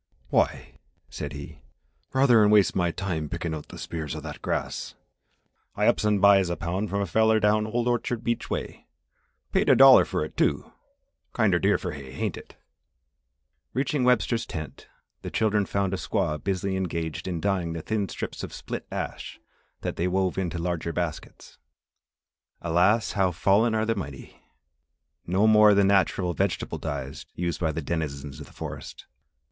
"Why," said he, "ruther 'en waste my time pickin' out th' spears of that grass I ups an' buys a pound from a feller down Old Orchard beach way. Paid a dollar fer it, too. Kinder dear fer hay, hain't it?" Reaching Webster's tent, the children found a squaw busily engaged in dying the thin strips of split ash that they wove into the larger baskets. Alas! how fallen are the mighty! No more the natural vegetable dyes used by the denizens of the forest.